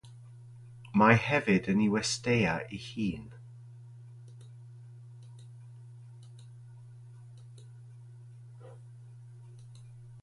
Mae hefyd yn ei westeia ei hun